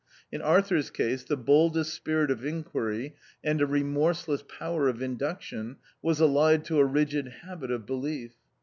In Arthur's case the boldest spirit of inquiry, and a remorse less power of induction, was allied to a rigid habit of belief.